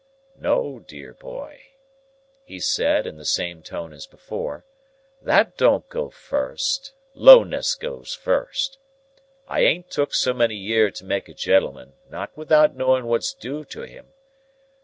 "No, dear boy," he said, in the same tone as before, "that don't go first. Lowness goes first. I ain't took so many year to make a gentleman, not without knowing what's due to him.